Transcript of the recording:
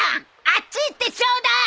あっち行ってちょうだい！